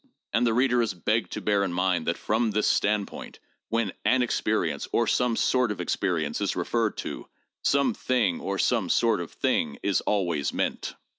And the reader is begged to bear in mind that from this standpoint, when 'an experience' or 'some sort of experience' is referred to, 'some thing' or 'some sort of thing' is always meant.